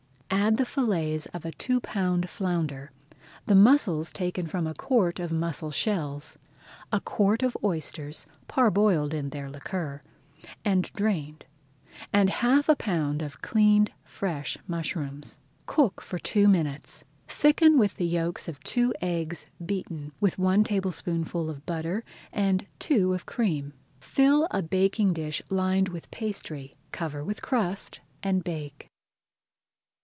Add the fillets of a two pound flounder, the mussels taken from a quart of mussel shells, a quart of oysters, parboiled in their liquor, and drained, and half a pound of cleaned fresh mushrooms. Cook for two minutes. Thicken with the yolks of two eggs beaten with one tablespoonful of butter and two of cream. Fill a baking dish lined with pastry, cover with crust, and bake.